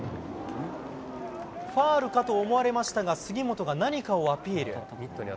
ファウルかと思われましたが、杉本が何かをアピール。